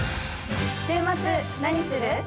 週末何する？